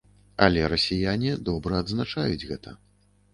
Але расіяне добра адзначаюць гэта.